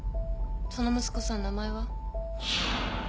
その息子さん名前は？